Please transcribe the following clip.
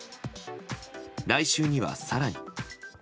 来週には更に。